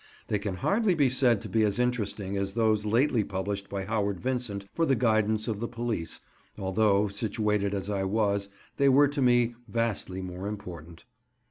They can hardly be said to be as interesting as those lately published by Howard Vincent for the guidance of the police, although, situated as I was, they were to me vastly more important.